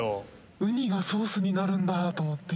ウニがソースになるんだと思って。